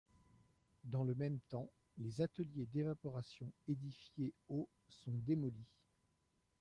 Dans le même temps, les ateliers d’évaporation édifiés aux sont démolis.